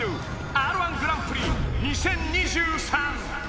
Ｒ−１グランプリ２０２３。